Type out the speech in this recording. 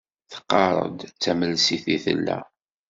Teqqar-d d tamelsit i tella.